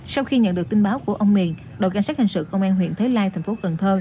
sau khi nhận được tin báo của ông miền đội cảnh sát hành sự công an huyện thới lai tp cn